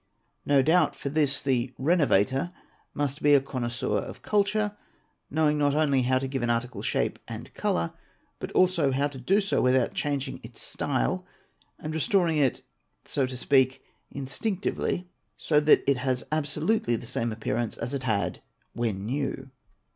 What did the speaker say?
No doubt for this the "renovator "' must be a connoisseur of culture, knowing not only how to give an _ article shape and colour but also how to do so without changing its style; and restoring it so to speak instinctively, so that 1b has absolutely the same appearance as it had when new.